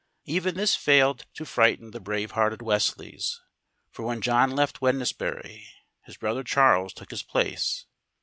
Even this failed to frighten the brave hearted Wesleys, for when John left Wednesbury his brother Charles took his place.